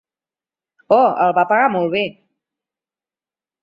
Oh, el va apagar molt bé.